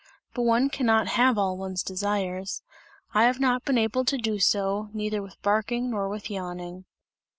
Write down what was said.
But one cannot have all one desires. I have not been able to do so, neither with barking nor with yawning."